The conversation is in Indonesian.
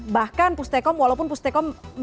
bahkan pustekom walaupun pustekom